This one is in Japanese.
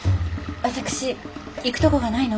私行くとこがないの。